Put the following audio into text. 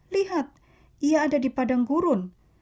lihat ia ada di padang gurun